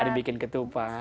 ada yang bikin ketupat